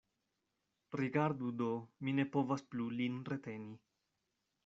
Rigardu do, mi ne povas plu lin reteni.